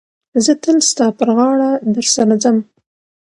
زه تل ستا پر غاړه در سره ځم.